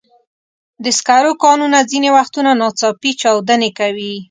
د سکرو کانونه ځینې وختونه ناڅاپي چاودنې کوي.